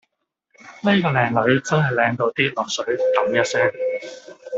喱個靚女真係靚到跌落水揼一聲